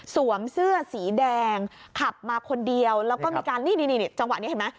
เสื้อสีแดงขับมาคนเดียวแล้วก็มีการนี่จังหวะนี้เห็นไหม